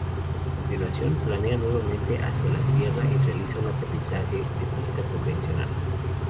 A continuación, planea nuevamente hacia la Tierra y realiza un aterrizaje de pista convencional.